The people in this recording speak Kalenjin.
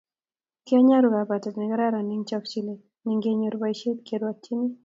Kinyoru kabwatet negararan eng chokchinet ngenyor boisiet kirwotyini